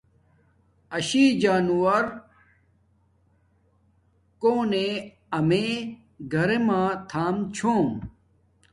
ایشی جانورو کونے امیے گھرما تھان چھوم